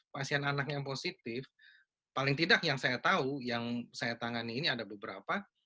pasien anak yang positif paling tidak yang saya tahu yang saya tangani ini ada beberapa